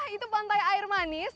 itu pantai air manis